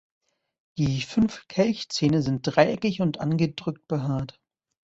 Die fünf Kelchzähne sind dreieckig und angedrückt behaart.